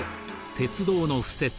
鉄道の敷設